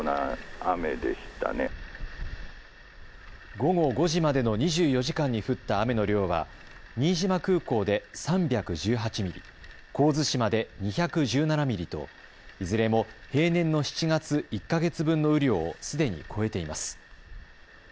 午後５時までの２４時間に降った雨の量は新島空港で３１８ミリ、神津島で２１７ミリといずれも平年の７月１か月分の雨量をすでに超えています。